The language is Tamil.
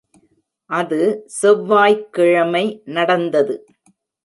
அது செவ்வாய்க்கிழமை நடந்தது.